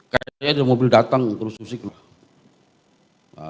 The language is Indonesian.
kayaknya mobil datang terus susi keluar